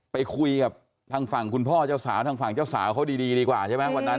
ไปคุยกับทางฝั่งคุณพ่อเจ้าสาวทางฝั่งเจ้าสาวเขาดีดีกว่าใช่ไหมวันนั้น